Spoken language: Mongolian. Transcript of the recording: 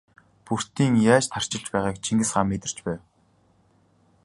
Бөртийн яаж тарчилж байгааг Чингис хаан мэдэрч байв.